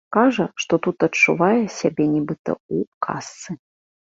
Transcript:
Кажа, што тут адчувае сябе нібыта ў казцы.